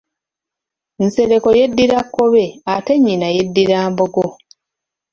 Nsereko yeddira Kkobe ate nnyina yeddira Mbogo.